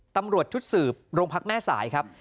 ตำรวจชุดสืบโรงพักแม่สายครับ